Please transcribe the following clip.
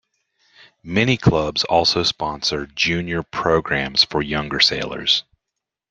Many clubs also sponsor junior programs for younger sailors.